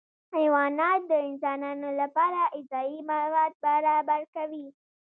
حیوانات د انسانانو لپاره غذایي مواد برابر کوي